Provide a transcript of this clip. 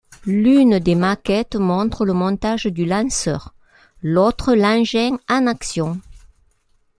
L'une des maquettes montre le montage du lanceur, l'autre l'engin en action.